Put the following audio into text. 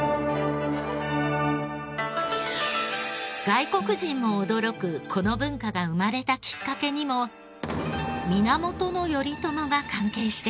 外国人も驚くこの文化が生まれたきっかけにも源頼朝が関係していました。